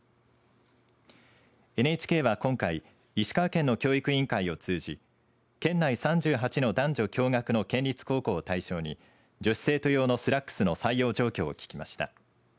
ＮＨＫは今回石川県の教育委員会を通じ県内３８の男女共学の県立高校を対象に女子生徒用のスラックスの採用状況を聞きました。